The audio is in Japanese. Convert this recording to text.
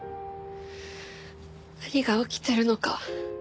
何が起きてるのか